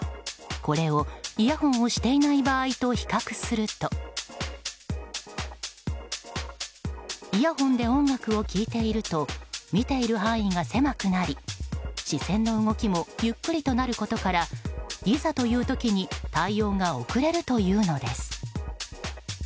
これをイヤホンをしていない場合と比較するとイヤホンで音楽を聴いていると見ている範囲が狭くなり視線の動きもゆっくりとなることからいざという時に対応が遅れるというのです。